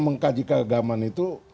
mengkaji keagamaan itu